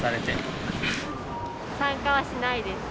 参加はしないです。